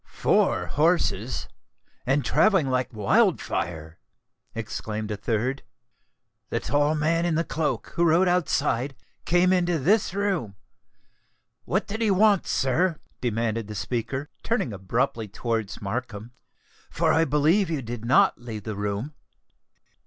"Four horses—and travelling like wild fire," exclaimed a third. "The tall man in the cloak, who rode outside, came into this room. What did he want, sir?" demanded the speaker, turning abruptly towards Markham; "for I believe you did not leave the room."